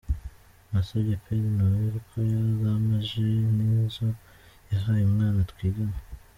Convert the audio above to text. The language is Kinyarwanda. Nasabye “Père Noël” ko yazampa “Jeux” nk’izo yahaye umwana twigana.